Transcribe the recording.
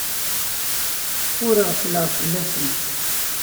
Ur ɣeffleɣ fell-asent.